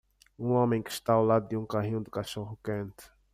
Um homem que está ao lado de um carrinho de cachorro-quente.